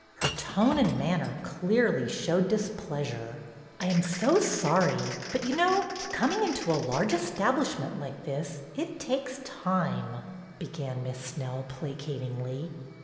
"' Her tone and manner clearly showed displeasure. "I am so sorry, but you know, coming into a large establishment like this, it takes time —" began Miss Snell, placatingly.